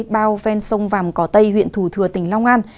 bao ven sông vàm cỏ tây huyện thủ thừa tỉnh long an